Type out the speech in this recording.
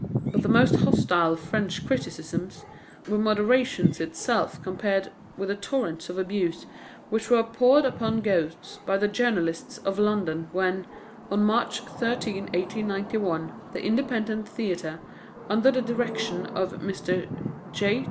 But the most hostile French criticisms were moderation itself compared with the torrents of abuse which were poured upon Ghosts by the journalists of London when, on March 13, 1891, the Independent Theatre, under the direction of Mr. J.